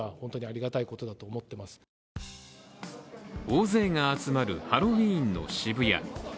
大勢が集まるハロウィーンの渋谷。